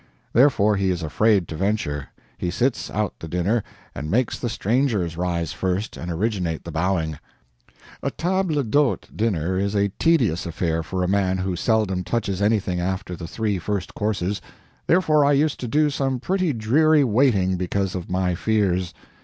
Therefore he is afraid to venture. He sits out the dinner, and makes the strangers rise first and originate the bowing. A table d'hôte dinner is a tedious affair for a man who seldom touches anything after the three first courses; therefore I used to do some pretty dreary waiting because of my fears.